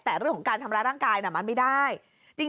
แต่เรื่องของการทำร้ายร่างกายมันไม่ได้